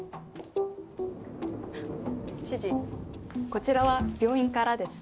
こちらは病院からです。